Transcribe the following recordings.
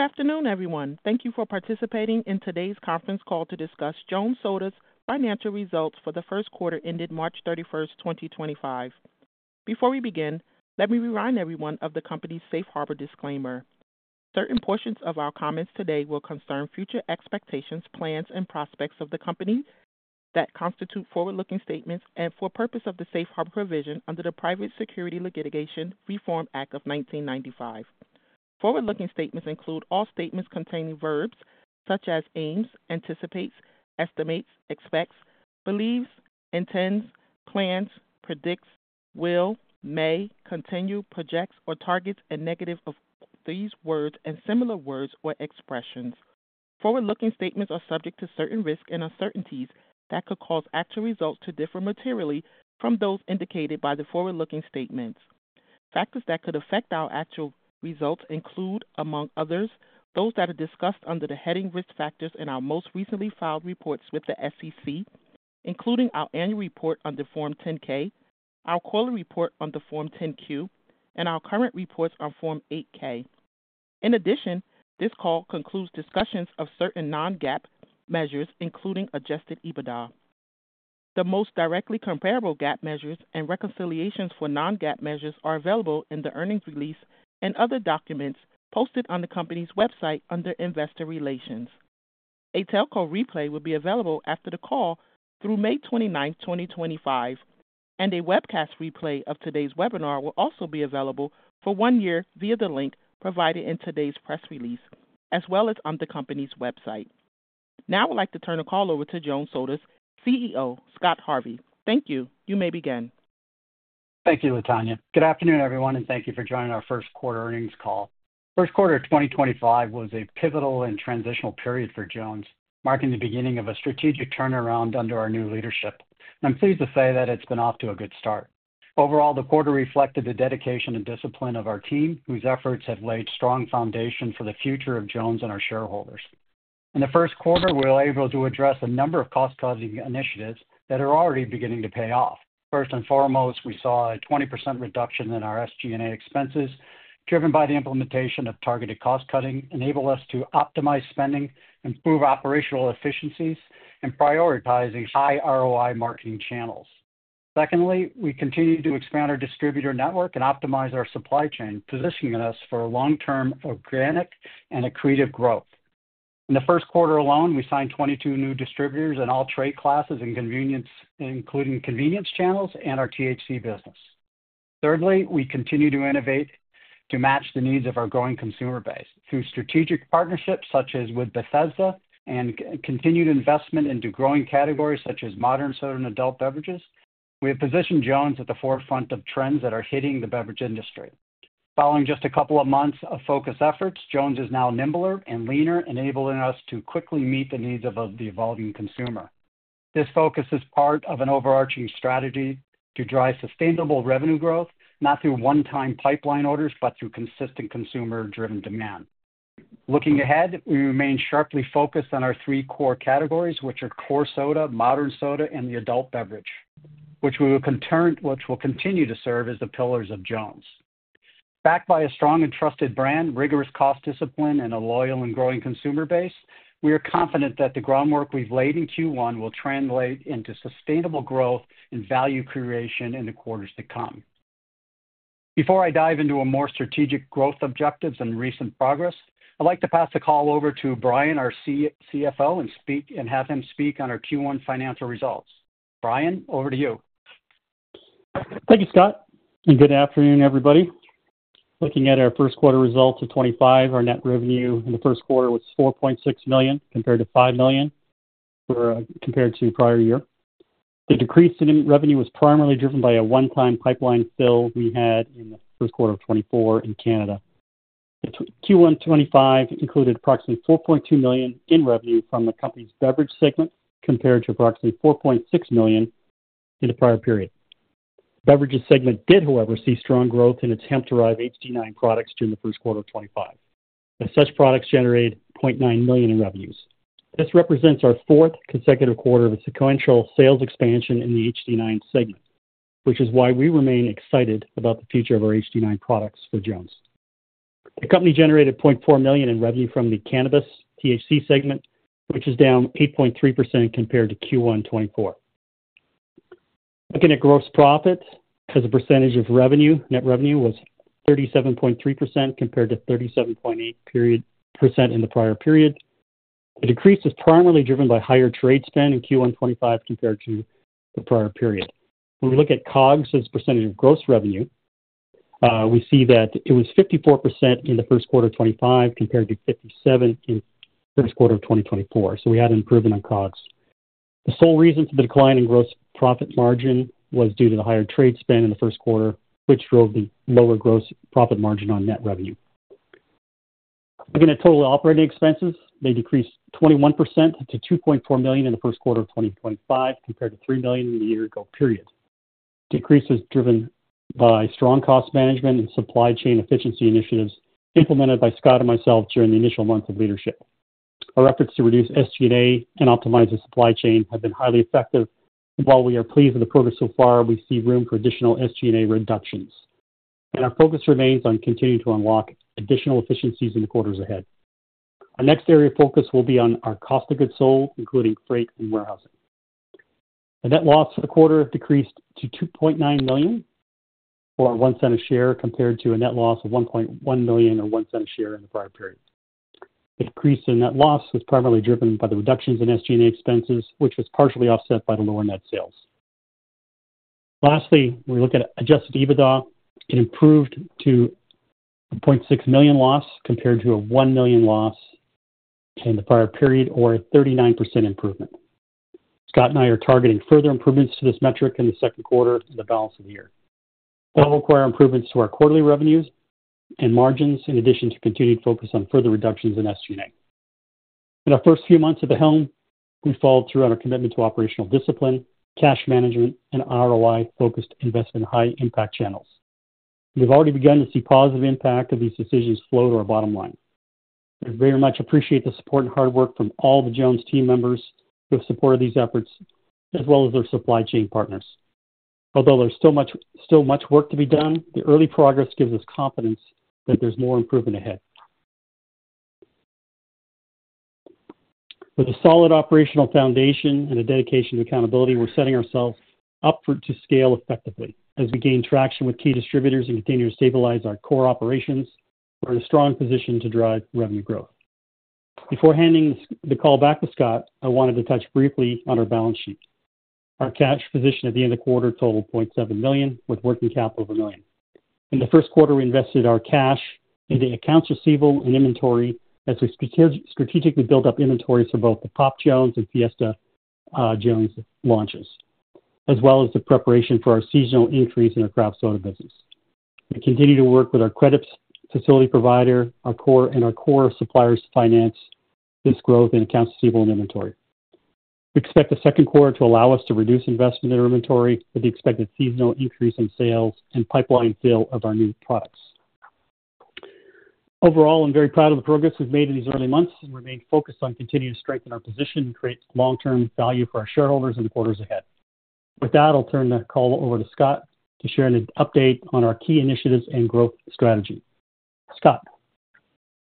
Good afternoon, everyone. Thank you for participating in today's conference call to discuss Jones Soda's financial results for the first quarter ended March 31, 2025. Before we begin, let me remind everyone of the company's safe harbor disclaimer. Certain portions of our comments today will concern future expectations, plans, and prospects of the company that constitute forward-looking statements and for purpose of the safe harbor provision under the Private Securities Litigation Reform Act of 1995. Forward-looking statements include all statements containing verbs such as aims, anticipates, estimates, expects, believes, intends, plans, predicts, will, may, continue, projects, or targets a negative of these words and similar words or expressions. Forward-looking statements are subject to certain risks and uncertainties that could cause actual results to differ materially from those indicated by the forward-looking statements. Factors that could affect our actual results include, among others, those that are discussed under the heading risk factors in our most recently filed reports with the SEC, including our annual report under Form 10-K, our quarterly report under Form 10-Q, and our current reports on Form 8-K. In addition, this call concludes discussions of certain non-GAAP measures, including adjusted EBITDA. The most directly comparable GAAP measures and reconciliations for non-GAAP measures are available in the earnings release and other documents posted on the company's website under investor relations. A telco replay will be available after the call through May 29, 2025, and a webcast replay of today's webinar will also be available for one year via the link provided in today's press release, as well as on the company's website. Now I'd like to turn the call over to Jones Soda's CEO, Scott Harvey. Thank you. You may begin. Thank you, Latanya. Good afternoon, everyone, and thank you for joining our first quarter earnings call. First quarter of 2025 was a pivotal and transitional period for Jones, marking the beginning of a strategic turnaround under our new leadership. I'm pleased to say that it's been off to a good start. Overall, the quarter reflected the dedication and discipline of our team, whose efforts have laid a strong foundation for the future of Jones and our shareholders. In the first quarter, we were able to address a number of cost-cutting initiatives that are already beginning to pay off. First and foremost, we saw a 20% reduction in our SG&A expenses, driven by the implementation of targeted cost-cutting, enabling us to optimize spending, improve operational efficiencies, and prioritize high ROI marketing channels. Secondly, we continue to expand our distributor network and optimize our supply chain, positioning us for long-term organic and accretive growth. In the first quarter alone, we signed 22 new distributors in all trade classes and convenience, including convenience channels and our THC business. Thirdly, we continue to innovate to match the needs of our growing consumer base through strategic partnerships such as with Bethesda and continued investment into growing categories such as modern soda and adult beverages. We have positioned Jones at the forefront of trends that are hitting the beverage industry. Following just a couple of months of focused efforts, Jones is now nimbler and leaner, enabling us to quickly meet the needs of the evolving consumer. This focus is part of an overarching strategy to drive sustainable revenue growth, not through one-time pipeline orders, but through consistent consumer-driven demand. Looking ahead, we remain sharply focused on our three core categories, which are core soda, modern soda, and the adult beverage, which we will continue to serve as the pillars of Jones. Backed by a strong and trusted brand, rigorous cost discipline, and a loyal and growing consumer base, we are confident that the groundwork we've laid in Q1 will translate into sustainable growth and value creation in the quarters to come. Before I dive into our more strategic growth objectives and recent progress, I'd like to pass the call over to Brian, our CFO, and have him speak on our Q1 financial results. Brian, over to you. Thank you, Scott. Good afternoon, everybody. Looking at our first quarter results of 2025, our net revenue in the first quarter was $4.6 million compared to $5 million in the prior year. The decrease in revenue was primarily driven by a one-time pipeline fill we had in the first quarter of 2024 in Canada. Q1 2025 included approximately $4.2 million in revenue from the company's beverage segment compared to approximately $4.6 million in the prior period. The beverage segment did, however, see strong growth in its Hemp-derived HD9 products during the first quarter of 2025, as such products generated $0.9 million in revenues. This represents our fourth consecutive quarter of a sequential sales expansion in the HD9 segment, which is why we remain excited about the future of our HD9 products for Jones. The company generated $0.4 million in revenue from the cannabis THC segment, which is down 8.3% compared to Q1 2024. Looking at gross profit as a percentage of net revenue, it was 37.3% compared to 37.8% in the prior period. The decrease is primarily driven by higher trade spend in Q1 2025 compared to the prior period. When we look at COGS as a percentage of gross revenue, we see that it was 54% in the first quarter of 2025 compared to 57% in the first quarter of 2024. We had an improvement on COGS. The sole reason for the decline in gross profit margin was due to the higher trade spend in the first quarter, which drove the lower gross profit margin on net revenue. Looking at total operating expenses, they decreased 21% to $2.4 million in the first quarter of 2025 compared to $3 million in the year-ago period. The decrease was driven by strong cost management and supply chain efficiency initiatives implemented by Scott and myself during the initial months of leadership. Our efforts to reduce SG&A and optimize the supply chain have been highly effective. While we are pleased with the progress so far, we see room for additional SG&A reductions. Our focus remains on continuing to unlock additional efficiencies in the quarters ahead. Our next area of focus will be on our cost of goods sold, including freight and warehousing. The net loss for the quarter decreased to $2.9 million or one cent a share compared to a net loss of $1.1 million or one cent a share in the prior period. The increase in net loss was primarily driven by the reductions in SG&A expenses, which was partially offset by the lower net sales. Lastly, when we look at adjusted EBITDA, it improved to $0.6 million loss compared to a $1 million loss in the prior period, or a 39% improvement. Scott and I are targeting further improvements to this metric in the second quarter of the balance of the year. That will require improvements to our quarterly revenues and margins in addition to continued focus on further reductions in SG&A. In our first few months at the helm, we followed through on our commitment to operational discipline, cash management, and ROI-focused investment in high-impact channels. We've already begun to see positive impact of these decisions flow to our bottom line. We very much appreciate the support and hard work from all the Jones team members who have supported these efforts, as well as their supply chain partners. Although there's still much work to be done, the early progress gives us confidence that there's more improvement ahead. With a solid operational foundation and a dedication to accountability, we're setting ourselves up to scale effectively. As we gain traction with key distributors and continue to stabilize our core operations, we're in a strong position to drive revenue growth. Before handing the call back to Scott, I wanted to touch briefly on our balance sheet. Our cash position at the end of the quarter totaled $0.7 million, with working capital of $1 million. In the first quarter, we invested our cash into accounts receivable and inventory as we strategically built up inventories for both the Pop Jones and Fiesta Jones launches, as well as the preparation for our seasonal increase in our craft soda business. We continue to work with our credit facility provider and our core suppliers to finance this growth in accounts receivable and inventory. We expect the second quarter to allow us to reduce investment in our inventory with the expected seasonal increase in sales and pipeline fill of our new products. Overall, I'm very proud of the progress we've made in these early months and remain focused on continuing to strengthen our position and create long-term value for our shareholders in the quarters ahead. With that, I'll turn the call over to Scott to share an update on our key initiatives and growth strategy. Scott.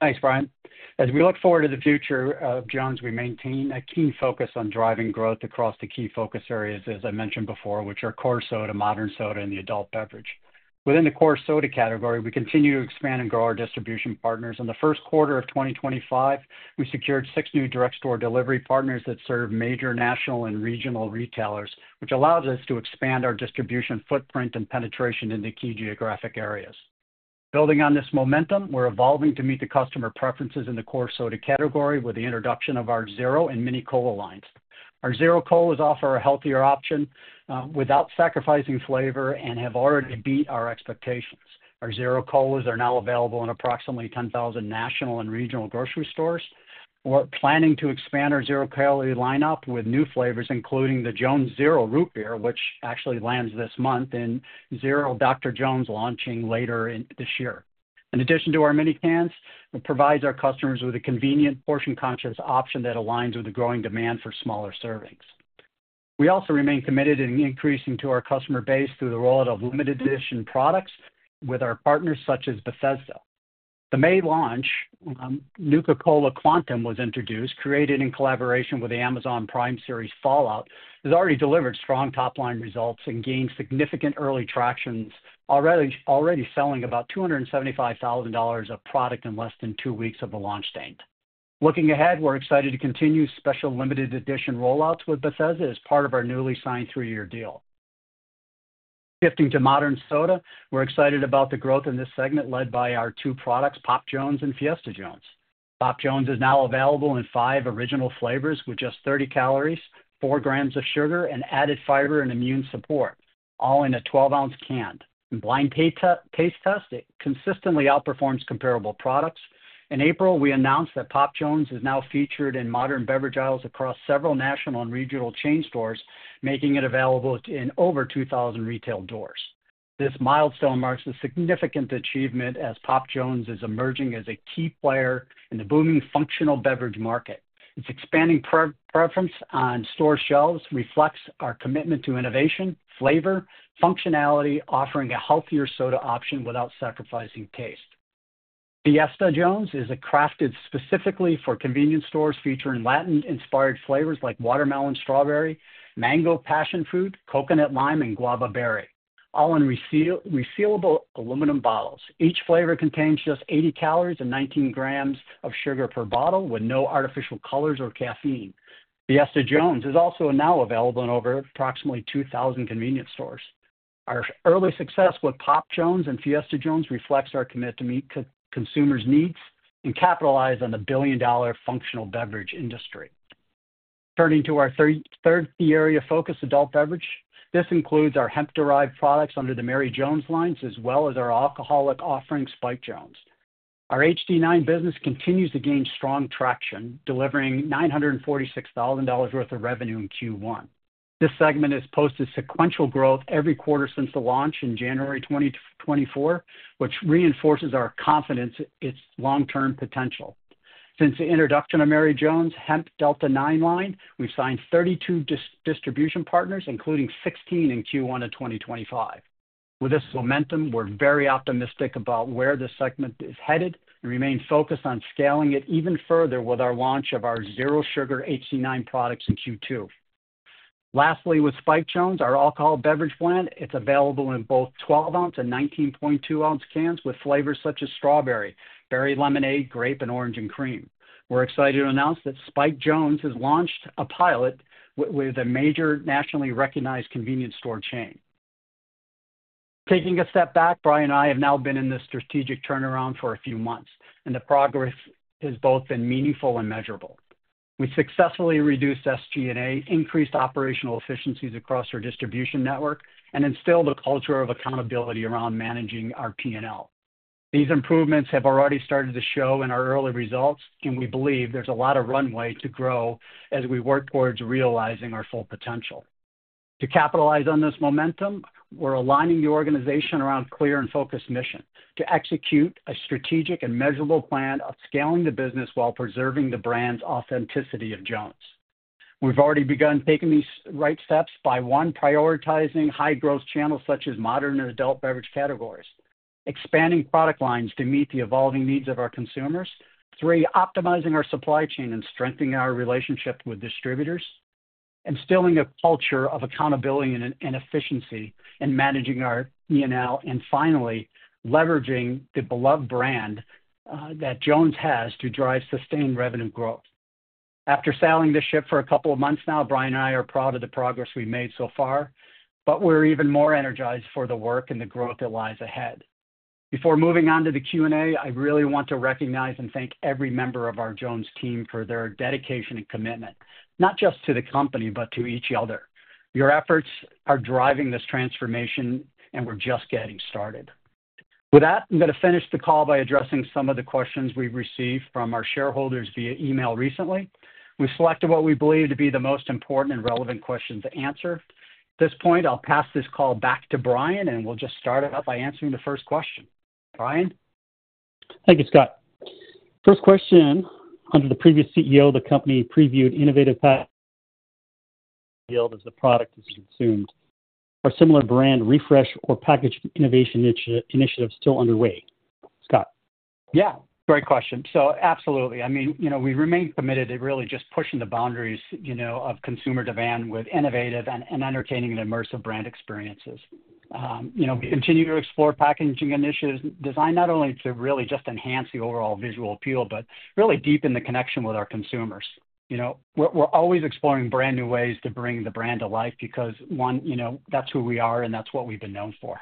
Thanks, Brian. As we look forward to the future of Jones, we maintain a keen focus on driving growth across the key focus areas, as I mentioned before, which are core soda, modern soda, and the adult beverage. Within the core soda category, we continue to expand and grow our distribution partners. In the first quarter of 2025, we secured six new direct store delivery partners that serve major national and regional retailers, which allows us to expand our distribution footprint and penetration into key geographic areas. Building on this momentum, we're evolving to meet the customer preferences in the core soda category with the introduction of our zero and mini cola lines. Our zero colas offer a healthier option without sacrificing flavor and have already beat our expectations. Our zero colas are now available in approximately 10,000 national and regional grocery stores. We're planning to expand our zero cola lineup with new flavors, including the Jones Zero Root Beer, which actually lands this month and Zero Dr. Jones launching later this year. In addition to our mini cans, it provides our customers with a convenient portion-conscious option that aligns with the growing demand for smaller servings. We also remain committed to increasing our customer base through the role of limited-edition products with our partners such as Bethesda. The May launch Nuka Cola Quantum was introduced, created in collaboration with the Amazon Prime Series Fallout, has already delivered strong top-line results and gained significant early traction, already selling about $275,000 of product in less than two weeks of the launch date. Looking ahead, we're excited to continue special limited-edition rollouts with Bethesda as part of our newly signed three-year deal. Shifting to modern soda, we're excited about the growth in this segment led by our two products, Pop Jones and Fiesta Jones. Pop Jones is now available in five original flavors with just 30 calories, 4 grams of sugar, and added fiber and immune support, all in a 12-ounce can. In blind taste tests, it consistently outperforms comparable products. In April, we announced that Pop Jones is now featured in modern beverage aisles across several national and regional chain stores, making it available in over 2,000 retail doors. This milestone marks a significant achievement as Pop Jones is emerging as a key player in the booming functional beverage market. Its expanding preference on store shelves reflects our commitment to innovation, flavor, functionality, offering a healthier soda option without sacrificing taste. Fiesta Jones is crafted specifically for convenience stores featuring Latin-inspired flavors like watermelon, strawberry, mango, passion fruit, coconut, lime, and guava berry, all in resealable aluminum bottles. Each flavor contains just 80 calories and 19 grams of sugar per bottle with no artificial colors or caffeine. Fiesta Jones is also now available in over approximately 2,000 convenience stores. Our early success with Pop Jones and Fiesta Jones reflects our commitment to meet consumers' needs and capitalize on the billion-dollar functional beverage industry. Turning to our third key area of focus, adult beverage, this includes our Hemp-derived products under the Mary Jones lines, as well as our alcoholic offering, Spike Jones. Our HD9 business continues to gain strong traction, delivering $946,000 worth of revenue in Q1. This segment has posted sequential growth every quarter since the launch in January 2024, which reinforces our confidence in its long-term potential. Since the introduction of Mary Jones Hemp Delta Nine line, we've signed 32 distribution partners, including 16 in Q1 of 2025. With this momentum, we're very optimistic about where this segment is headed and remain focused on scaling it even further with our launch of our zero sugar HD9 products in Q2. Lastly, with Spike Jones, our alcoholic beverage blend, it's available in both 12-ounce and 19.2-ounce cans with flavors such as strawberry, berry lemonade, grape, and orange and cream. We're excited to announce that Spike Jones has launched a pilot with a major nationally recognized convenience store chain. Taking a step back, Brian and I have now been in this strategic turnaround for a few months, and the progress has both been meaningful and measurable. We successfully reduced SG&A, increased operational efficiencies across our distribution network, and instilled a culture of accountability around managing our P&L. These improvements have already started to show in our early results, and we believe there's a lot of runway to grow as we work towards realizing our full potential. To capitalize on this momentum, we're aligning the organization around a clear and focused mission to execute a strategic and measurable plan of scaling the business while preserving the brand's authenticity of Jones. We've already begun taking these right steps by, one, prioritizing high-growth channels such as modern and adult beverage categories, expanding product lines to meet the evolving needs of our consumers, three, optimizing our supply chain and strengthening our relationship with distributors, instilling a culture of accountability and efficiency in managing our P&L, and finally, leveraging the beloved brand that Jones has to drive sustained revenue growth. After sailing this ship for a couple of months now, Brian and I are proud of the progress we've made so far, but we're even more energized for the work and the growth that lies ahead. Before moving on to the Q&A, I really want to recognize and thank every member of our Jones team for their dedication and commitment, not just to the company, but to each other. Your efforts are driving this transformation, and we're just getting started. With that, I'm going to finish the call by addressing some of the questions we've received from our shareholders via email recently. We selected what we believe to be the most important and relevant questions to answer. At this point, I'll pass this call back to Brian, and we'll just start it out by answering the first question. Brian? Thank you, Scott. First question. Under the previous CEO, the company previewed innovative packaging as the product is consumed. Are similar brand refresh or packaging innovation initiatives still underway? Scott. Yeah. Great question. So absolutely. I mean, we remain committed to really just pushing the boundaries of consumer demand with innovative and entertaining and immersive brand experiences. We continue to explore packaging initiatives designed not only to really just enhance the overall visual appeal, but really deepen the connection with our consumers. We're always exploring brand new ways to bring the brand to life because, one, that's who we are, and that's what we've been known for.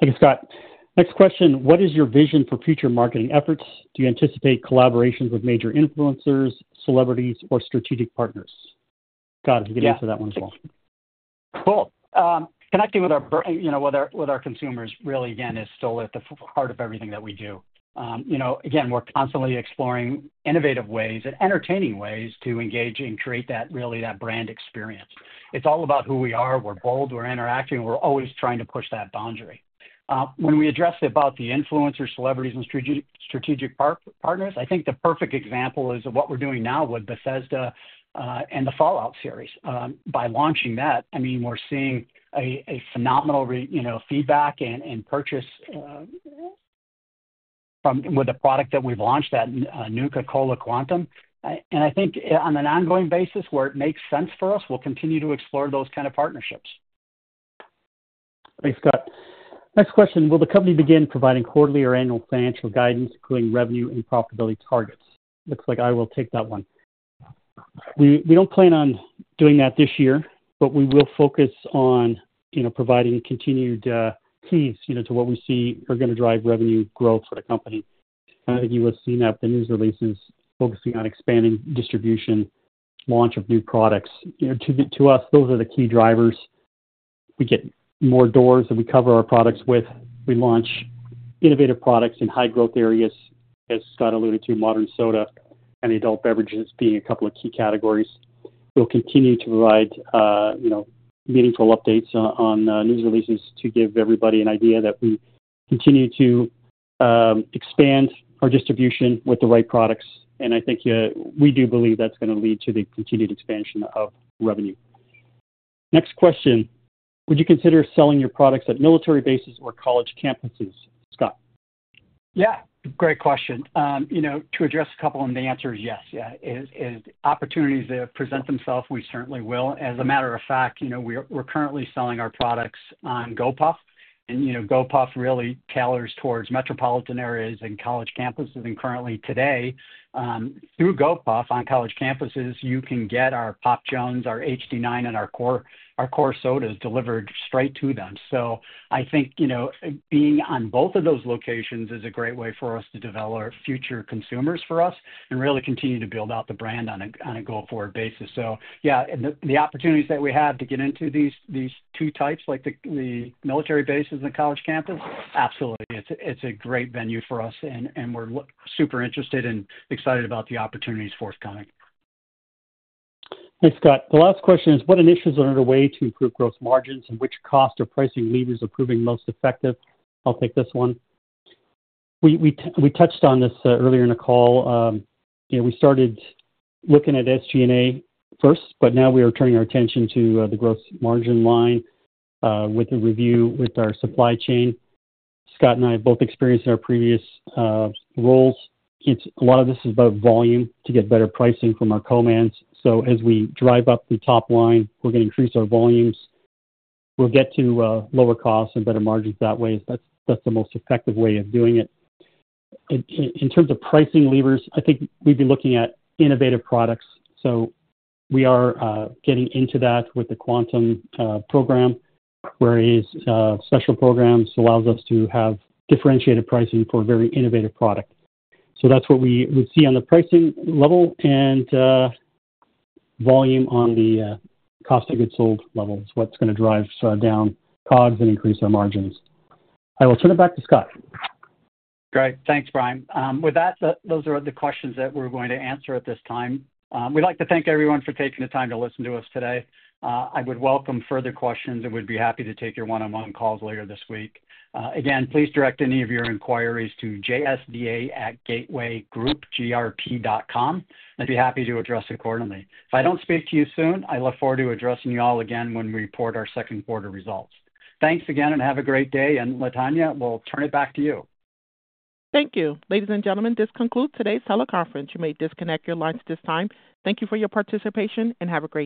Thank you, Scott. Next question. What is your vision for future marketing efforts? Do you anticipate collaborations with major influencers, celebrities, or strategic partners? Scott, if you could answer that one as well. Cool. Connecting with our consumers, really, again, is still at the heart of everything that we do. Again, we're constantly exploring innovative ways and entertaining ways to engage and create really that brand experience. It's all about who we are. We're bold. We're interacting. We're always trying to push that boundary. When we address about the influencers, celebrities, and strategic partners, I think the perfect example is what we're doing now with Bethesda and the Fallout series. By launching that, I mean, we're seeing a phenomenal feedback and purchase with the product that we've launched, that Nuka Cola Quantum. I think on an ongoing basis where it makes sense for us, we'll continue to explore those kinds of partnerships. Thanks, Scott. Next question. Will the company begin providing quarterly or annual financial guidance, including revenue and profitability targets? Looks like I will take that one. We don't plan on doing that this year, but we will focus on providing continued keys to what we see are going to drive revenue growth for the company. I think you will see that with the news releases focusing on expanding distribution, launch of new products. To us, those are the key drivers. We get more doors that we cover our products with. We launch innovative products in high-growth areas, as Scott alluded to, modern soda and adult beverages being a couple of key categories. We'll continue to provide meaningful updates on news releases to give everybody an idea that we continue to expand our distribution with the right products. I think we do believe that's going to lead to the continued expansion of revenue. Next question. Would you consider selling your products at military bases or college campuses, Scott? Yeah. Great question. To address a couple of the answers, yes. Opportunities that present themselves, we certainly will. As a matter of fact, we're currently selling our products on Gopuff. And Gopuff really caters towards metropolitan areas and college campuses. Currently today, through Gopuff on college campuses, you can get our Pop Jones, our HD9, and our core sodas delivered straight to them. I think being on both of those locations is a great way for us to develop future consumers for us and really continue to build out the brand on a go-forward basis. Yeah, the opportunities that we have to get into these two types, like the military bases and the college campus, absolutely. It's a great venue for us, and we're super interested and excited about the opportunities forthcoming. Thanks, Scott. The last question is, what initiatives are underway to improve gross margins and which cost or pricing levers are proving most effective? I'll take this one. We touched on this earlier in the call. We started looking at SG&A first, but now we are turning our attention to the gross margin line with a review with our supply chain. Scott and I have both experienced in our previous roles. A lot of this is about volume to get better pricing from our co-mans. As we drive up the top line, we're going to increase our volumes. We'll get to lower costs and better margins that way. That's the most effective way of doing it. In terms of pricing levers, I think we've been looking at innovative products. We are getting into that with the Quantum program, whereas special programs allow us to have differentiated pricing for a very innovative product. That is what we would see on the pricing level and volume on the cost of goods sold levels, what is going to drive down COGS and increase our margins. I will turn it back to Scott. Great. Thanks, Brian. With that, those are the questions that we're going to answer at this time. We'd like to thank everyone for taking the time to listen to us today. I would welcome further questions and would be happy to take your one-on-one calls later this week. Again, please direct any of your inquiries to jsday@gatewaygroupgrp.com. I'd be happy to address it accordingly. If I don't speak to you soon, I look forward to addressing you all again when we report our second quarter results. Thanks again and have a great day. Latanya, we'll turn it back to you. Thank you. Ladies and gentlemen, this concludes today's teleconference. You may disconnect your lines at this time. Thank you for your participation and have a great day.